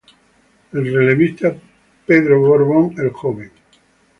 El relevista Pedro Borbón, Jr.